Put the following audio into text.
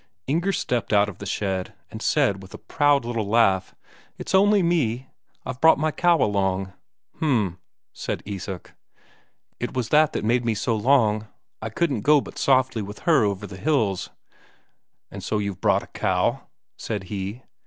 Inger stepped out of the shed, and said with a proud little laugh: "It's only me. I've brought my cow along." "H'm," said Isak. "It was that made me so long I couldn't go but softly with her over the hills." "And so you've brought a cow?" said he.